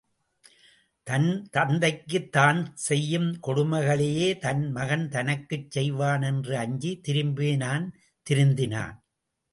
தன் தந்தைக்குத் தான் செய்யும் கொடுமைகளையே தன் மகன் தனக்கும் செய்வான் என்று அஞ்சித் திரும்பினான் திருந்தினான்.